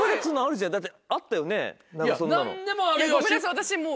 私もう。